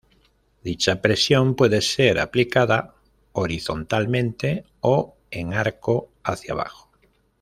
Dicha presión puede ser aplicada horizontalmente o en arco hacia abajo.